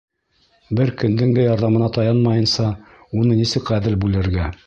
Бер кемдең дә ярҙамына таянмайынса, уны нисек ғәҙел бүлергә?